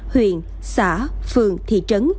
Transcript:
huyện xã phường thị trấn